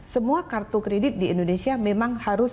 semua kartu kredit di indonesia memang harus